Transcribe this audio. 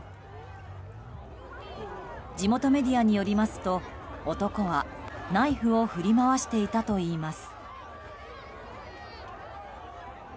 地元メディアによりますと男はナイフを振り回していたといいます。